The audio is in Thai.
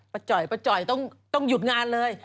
จ่อยป้าจ่อยต้องหยุดงานเลย